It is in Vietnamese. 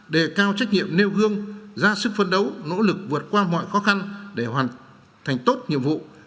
đề cao trách nhiệm nêu gương ra sức phấn đấu nỗ lực vượt qua mọi khó khăn để hoàn thành tốt nhiệm vụ